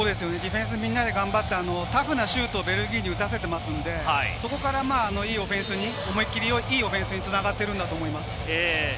ディフェンスみんなで頑張ってタフなシュートをベルギーに打たせてますので、そこからいいオフェンスにつながってるのだと思います。